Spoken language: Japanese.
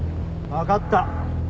わかった。